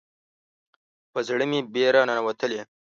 په زړه مې بیره ننوتلې